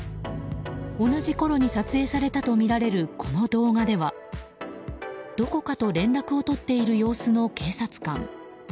同じころに撮影されたとみられるこの動画ではどこかと連絡を取っている様子の警察官。